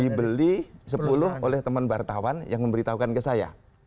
dibeli sepuluh oleh teman wartawan yang memberitahukan ke saya